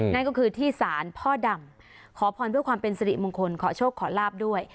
นั่นก็คือที่ศาลพ่อดำขอพรเพื่อความเป็นสิริมงคลขอโชคขอลาบด้วย